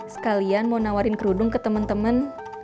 sekalian mau nawarin kerudung ke temen temen